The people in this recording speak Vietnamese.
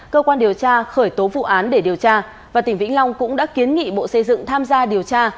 cơ quan điều tra khởi tố vụ án để điều tra và tỉnh vĩnh long cũng đã kiến nghị bộ xây dựng tham gia điều tra